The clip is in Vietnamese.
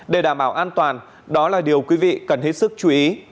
để đảm bảo an toàn đó là điều quý vị cần hết sức chú ý